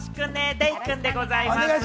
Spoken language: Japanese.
デイくんでございます。